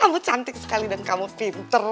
kamu cantik sekali dan kamu pinter